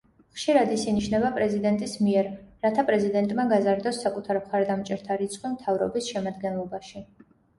ხშირად ის ინიშნება პრეზიდენტის მიერ, რათა პრეზიდენტმა გაზარდოს საკუთარ მხარდამჭერთა რიცხვი მთავრობის შემადგენლობაში.